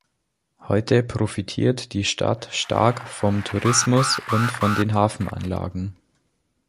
Heute profitiert die Stadt stark vom Tourismus und von den Hafenanlagen.